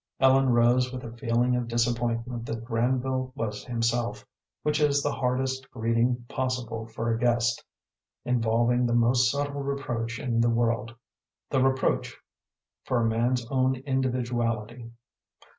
Ellen rose with a feeling of disappointment that Granville was himself, which is the hardest greeting possible for a guest, involving the most subtle reproach in the world the reproach for a man's own individuality.